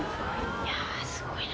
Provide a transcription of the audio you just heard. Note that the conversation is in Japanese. いやすごいな。